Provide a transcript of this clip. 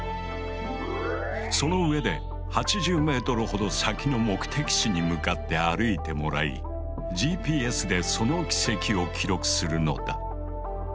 そのうえで８０ｍほど先の目的地に向かって歩いてもらいＧＰＳでその軌跡を記録するのだ。